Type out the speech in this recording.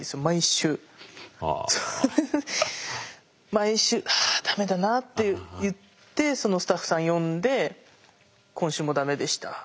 毎週ああ駄目だなって言ってそのスタッフさん呼んで今週も駄目でした